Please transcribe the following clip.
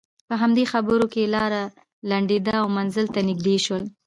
په همدې خبرو کې لاره لنډېده او منزل ته نژدې شول.